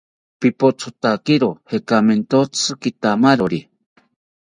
Pipothotakiro jekamentotzi kitamari